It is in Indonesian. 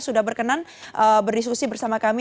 sudah berkenan berdiskusi bersama kami